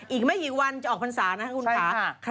อีกไม่กี่วันจะออกภัณฑานะคะคุณคะใช่ค่ะ